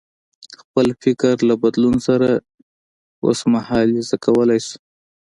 خپل فکر له بدلون سره اوسمهالیزه کولای شو.